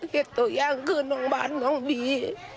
เฮ็ดตัวอย่างคือน้องบาสน้องบี